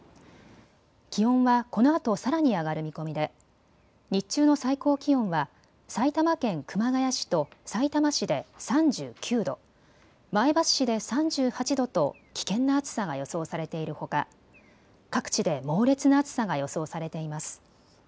気温はこのあとさらに上がる見込みで日中の最高気温は埼玉県熊谷市とさいたま市で３９度、前橋市で３８度と危険な暑さが予想されているほか各地で猛烈な暑さが予想されています。